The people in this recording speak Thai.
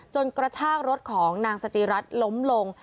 กระชากรถของนางสจิรัตน์ล้มลง